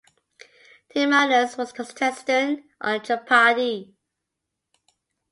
Timanus was a contestant on Jeopardy!